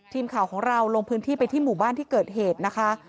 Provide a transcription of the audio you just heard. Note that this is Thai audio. ทีมข่าวของเราลงพื้นที่ไปที่หมู่บ้านที่เกิดเหตุนะคะ